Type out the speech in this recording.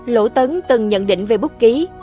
lỗ tấn từng nhận định về búc ký